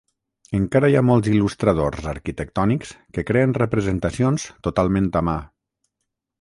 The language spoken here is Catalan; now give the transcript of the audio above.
Encara hi ha molts il·lustradors arquitectònics que creen representacions totalment a mà.